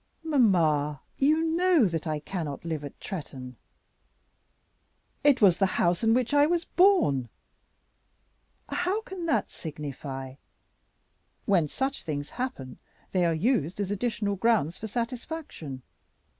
"Mamma, you know that I cannot live at Tretton." "It is the house in which I was born." "How can that signify? When such things happen they are used as additional grounds for satisfaction.